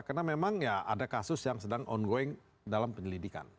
karena memang ya ada kasus yang sedang on going dalam penyelidikan